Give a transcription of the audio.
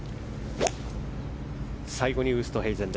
最後にウーストヘイゼン。